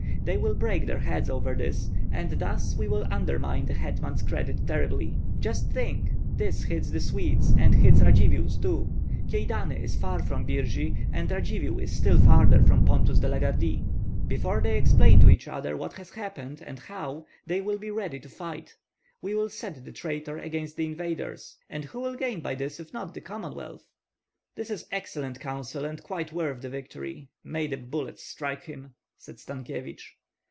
They will break their heads over this, and thus we will undermine the hetman's credit terribly. Just think, this hits the Swedes and hits Radzivill too. Kyedani is far from Birji, and Radzivill is still farther from Pontus de la Gardie. Before they explain to each other what has happened and how, they will be ready to fight. We will set the traitor against the invaders; and who will gain by this, if not the Commonwealth?" "This is excellent counsel, and quite worth the victory. May the bullets strike him!" said Stankyevich.